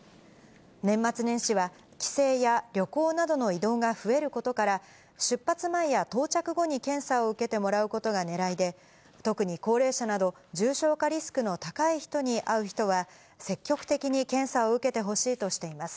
年末年始は帰省や旅行などの移動が増えることから、出発前や到着後に検査を受けてもらうことがねらいで、特に高齢者など、重症化リスクの高い人に会う人は、積極的に検査を受けてほしいとしています。